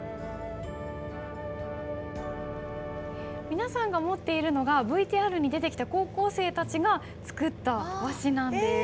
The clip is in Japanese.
皆さんが持っているのがＶＴＲに出てきた高校生たちが作った和紙なんです。